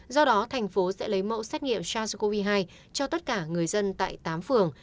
do đó thành phố sẽ lấy mẫu xét nghiệm sars cov hai cho tất cả người dân tại tám phường